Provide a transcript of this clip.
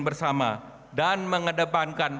bersama dan mengedepankan